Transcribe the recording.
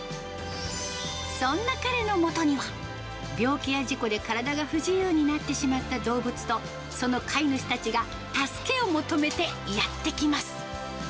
そんな彼のもとには、病気や事故で体が不自由になってしまった動物と、その飼い主たちが助けを求めてやって来ます。